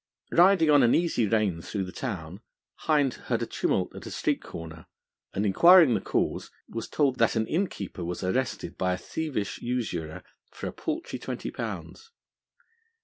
Riding on an easy rein through the town, Hind heard a tumult at a street corner, and inquiring the cause, was told that an innkeeper was arrested by a thievish usurer for a paltry twenty pounds.